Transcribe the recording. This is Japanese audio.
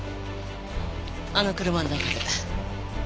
あの車の中で。